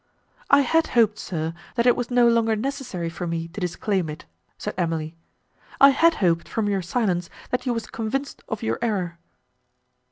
"I had hoped, sir, that it was no longer necessary for me to disclaim it," said Emily, "I had hoped, from your silence, that you were convinced of your error."